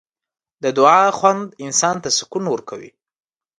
د دعا خوند انسان ته سکون ورکوي.